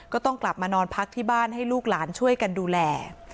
ก็ต้องกลับมานอนพักที่บ้านให้ลูกหลานช่วยกันดูแล